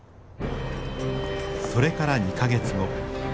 それから２か月後。